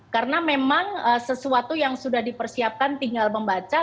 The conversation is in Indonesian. karena memang sesuatu yang sudah dipersiapkan tinggal membaca